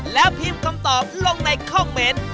แล้วพิมพ์คำตอบลงในคอมเมนต์